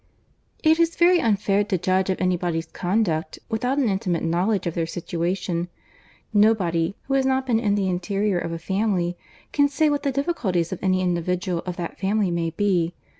"It is very unfair to judge of any body's conduct, without an intimate knowledge of their situation. Nobody, who has not been in the interior of a family, can say what the difficulties of any individual of that family may be.